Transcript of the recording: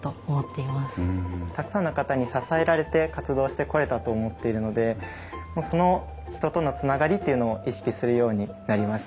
たくさんの方に支えられて活動してこれたと思っているのでその人とのつながりというのを意識するようになりました。